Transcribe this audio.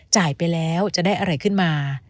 จ่ายไปแล้วจะได้อะไรขึ้นมา